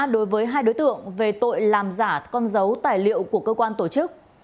đối với hai đối tượng về tội làm giả con dấu tài liệu của cơ quan tổ chức